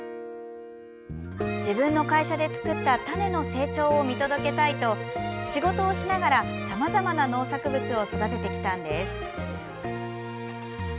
自分の会社で作った種の成長を見届けたいと仕事をしながら、さまざまな農作物を育ててきたんです。